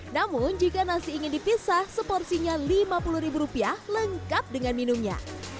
namun jika nasi ingin dipisah seporsinya rp lima puluh lengkap dengan minumnya